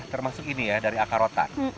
termasuk ini ya dari akar rotan